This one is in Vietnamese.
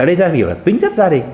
ở đây ta hiểu là tính chất gia đình